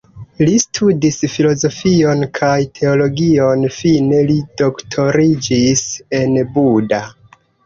Li studis filozofion kaj teologion, fine li doktoriĝis en Buda.